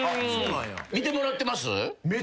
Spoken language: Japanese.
見てもらってます？